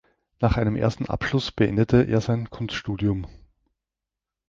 Nach einem ersten Abschluss beendete er sein Kunststudium.